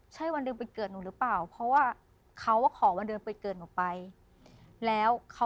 เจ้ากรรมในเวลาใช่น่าจะใช่อะคะ